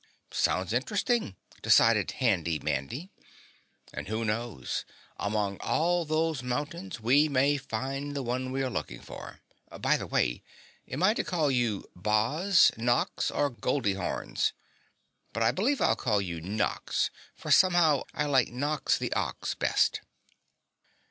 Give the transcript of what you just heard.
"Sounds interesting," decided Handy Mandy, "and who knows, among all those mountains we may find the one we are looking for! By the way, am I to call you Boz, Nox or Goldie Horns? But I believe I'll call you Nox, for somehow I like Nox the Ox best."